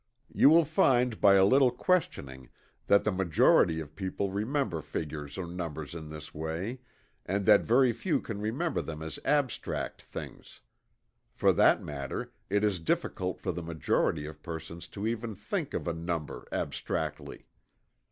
You will find by a little questioning that the majority of people remember figures or numbers in this way, and that very few can remember them as abstract things. For that matter it is difficult for the majority of persons to even think of a number, abstractly.